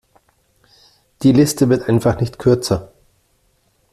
Die Liste wird einfach nicht kürzer.